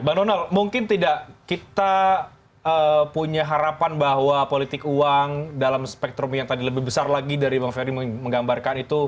bang donald mungkin tidak kita punya harapan bahwa politik uang dalam spektrum yang tadi lebih besar lagi dari bang ferry menggambarkan itu